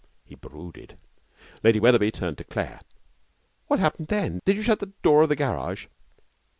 He brooded. Lady Wetherby turned to Claire. 'What happened then? Did you shut the door of the garage?'